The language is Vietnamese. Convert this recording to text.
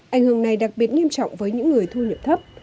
ảnh hưởng này đặc biệt nghiêm trọng với những người thu nhập thấp